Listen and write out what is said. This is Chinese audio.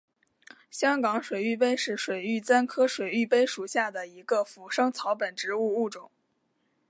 香港水玉杯是水玉簪科水玉杯属下的一个腐生草本植物物种。